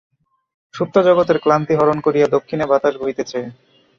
সুপ্ত জগতের ক্লান্তি হরণ করিয়া দক্ষিনে বাতাস বহিতেছে।